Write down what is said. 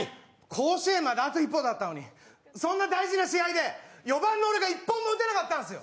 甲子園まであと一歩だったのにそんな大事な試合で、４番の俺が１本も打てなかったんですよ。